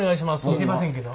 似てませんけど。